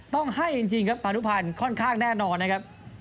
ต้องให้จริงครับพานุพันธ์ค่อนข้างแน่นอนนะครับ